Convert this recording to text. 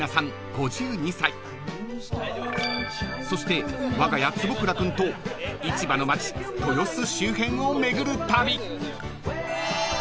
［そして我が家坪倉君と市場の街豊洲周辺を巡る旅］